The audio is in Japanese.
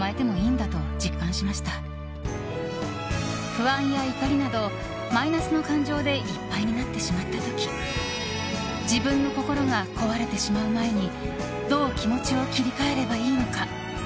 不安や怒りなどマイナスの感情でいっぱいになってしまった時自分の心が壊れてしまう前にどう気持ちを切り替えればいいのか？